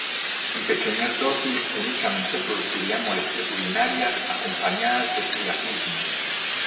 En pequeñas dosis únicamente producirían molestias urinarias acompañadas de priapismo.